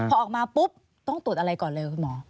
พอออกมาปุ๊บต้องตรวจอะไรก่อนเลยคุณหมอ